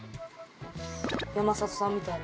山里さんみたいな。